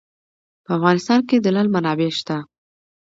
په افغانستان کې د لعل منابع شته.